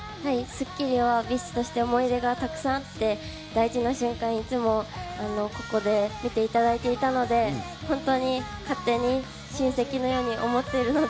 『スッキリ』もＢｉＳＨとして思い出がたくさんあって、大事な瞬間にいつもここで見ていただいていたので、本当に勝手に親戚のように思っているので。